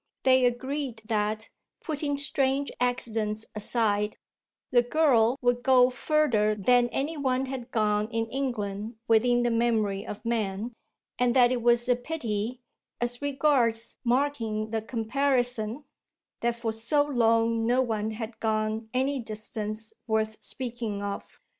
They agreed that, putting strange accidents aside, the girl would go further than any one had gone in England within the memory of man; and that it was a pity, as regards marking the comparison, that for so long no one had gone any distance worth speaking of.